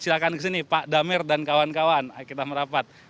silahkan kesini pak damir dan kawan kawan ayo kita merapat